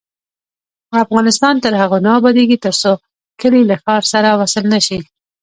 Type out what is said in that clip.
افغانستان تر هغو نه ابادیږي، ترڅو کلي له ښار سره وصل نشي.